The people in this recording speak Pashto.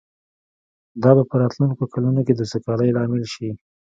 دا به په راتلونکو کلونو کې د سوکالۍ لامل شي